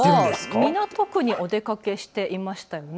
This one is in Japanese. きょうは港区にお出かけしていましたよね。